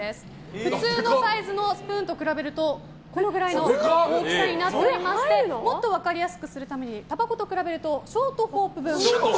普通のサイズのスプーンと比べるとこのぐらいの大きさになっておりましてもっと分かりやすくするためにたばこと比べるとショートホープ分。